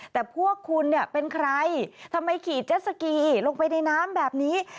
แต่พวกคุณเนี่ยเป็นใครทำไมขี่เจ็ดสกีลงไปในน้ำแบบนี้